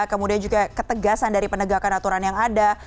kemudian juga ketegasan dari penegakan aturan yang ada